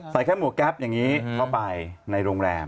แค่หมวกแก๊ปอย่างนี้เข้าไปในโรงแรม